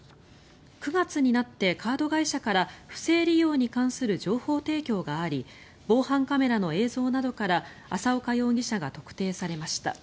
９月になってカード会社から不正利用に関する情報提供があり防犯カメラの映像などから淺岡容疑者が特定されました。